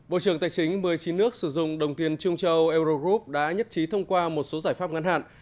bộ trưởng tài chính một mươi chín nước sử dụng đồng tiền trung châu eurogroup đã nhất trí thông qua một số giải pháp ngăn hạn